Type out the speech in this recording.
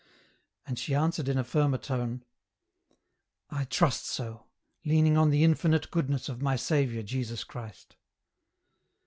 And she answered in a firmer tone, " I trust so, leaning on the infinite goodness of my Saviour Jesus Christ."